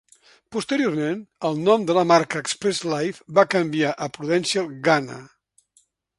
Posteriorment, el nom de la marca Express Life va canviar a Prudential Ghana.